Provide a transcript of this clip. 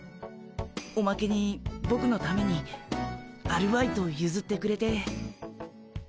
おまけにボクのためにアルバイトをゆずってくれて。